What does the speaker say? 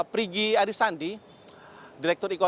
prigi arisandi direktur ekoton